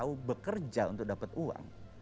mau bekerja untuk dapat uang